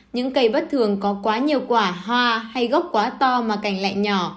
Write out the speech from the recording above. những cây bất thường có quá nhiều quả hoa hay gốc quá to mà cành lại nhỏ